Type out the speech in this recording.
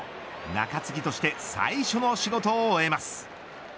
中継ぎとして最初の仕事を終えます。